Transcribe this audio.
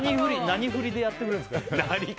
何振りでやってくれるんですか？